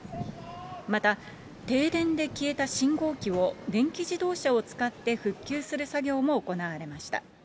また、停電で消えた信号機を電気自動車を使って復旧する作業も行われました。